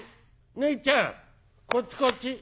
ねえちゃんこっちこっち」。